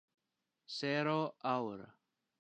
Zero Hour!